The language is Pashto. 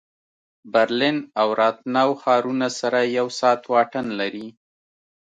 برلین او راتناو ښارونه سره یو ساعت واټن لري